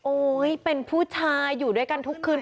เป็นผู้ชายอยู่ด้วยกันทุกคืน